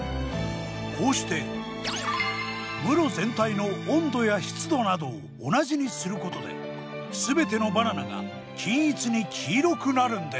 こうして室全体の温度や湿度などを同じにすることで全てのバナナが均一に黄色くなるんです。